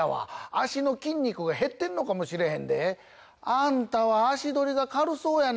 脚の筋肉が減ってんのかもしれへんであんたは脚どりが軽そうやな？